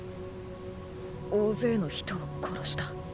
大勢の人を殺した。